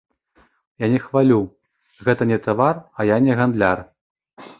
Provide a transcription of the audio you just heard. Я не хвалю, гэта не тавар, а я не гандляр.